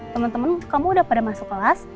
temen temen kamu udah pada masuk kelas